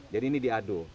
jadi ini diadu